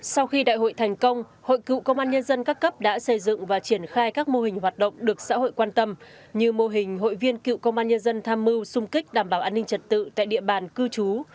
sau khi đại hội thành công hội cựu công an nhân dân các cấp đã xây dựng và triển khai các mô hình hoạt động được xã hội quan tâm như mô hình hội viên cựu công an nhân dân tham mưu xung kích đảm bảo an ninh trật tự tại địa bàn cư trú